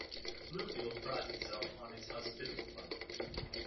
Bluefield prides itself on its hospitable climate.